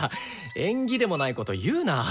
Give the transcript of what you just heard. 縁起でもないこと言うな！